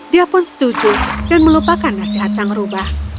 dia pun setuju dan melupakan nasihat sang rubah